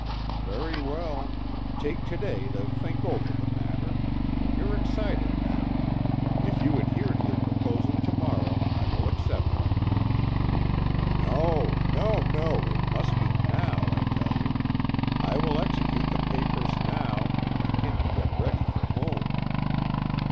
"Very well. Take to day to think over the matter. You're excited now. If you adhere to your proposal to morrow, I will accept it." "No, no, no! It must be now, I tell you. I will execute the papers now, and begin to get ready for home!"